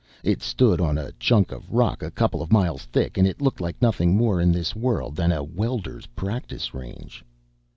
It stood on a chunk of rock a couple of miles thick, and it looked like nothing more in this world than a welder's practice range.